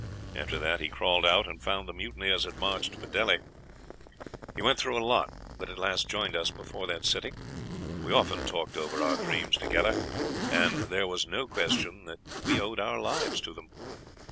After that he crawled out, and found the mutineers had marched for Delhi. He went through a lot, but at last joined us before that city. We often talked over our dreams together, and there was no question that we owed our lives to them.